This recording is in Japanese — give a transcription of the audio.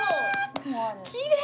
きれい！